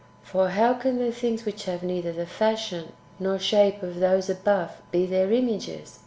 For how can the things which have neither the fashion nor shape of those [above] be their images